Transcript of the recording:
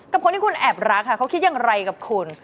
กับคนที่คุณแอบรักค่ะเขาคิดอย่างไรกับคุณ